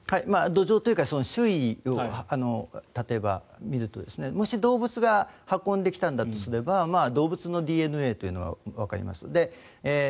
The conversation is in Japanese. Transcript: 土壌というか周囲を見るともし動物が運んできたんだとすれば動物のＤＮＡというのがわかります。